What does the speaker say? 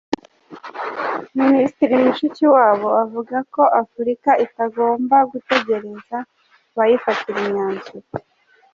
Minisitiri Mushikiwabo avuga ko Afurika itagomba gutegereza abayifatira imyanzuro.